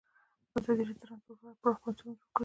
ازادي راډیو د ترانسپورټ په اړه پراخ بحثونه جوړ کړي.